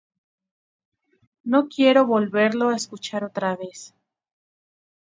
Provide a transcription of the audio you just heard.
No quiero volverlo a escuchar otra vez".